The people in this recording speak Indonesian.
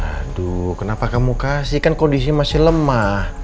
aduh kenapa kamu kasih kan kondisi masih lemah